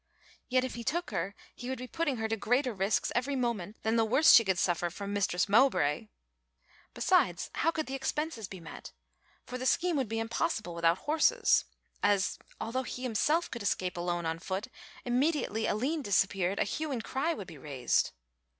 Yet if he took her he would be putting her to greater risks every moment than the worst she could suffer from Mistress Mowbray. Besides how could the expenses be met; for the scheme would be impossible without horses; as, although he himself could escape alone on foot, immediately Aline disappeared a hue and cry would be raised?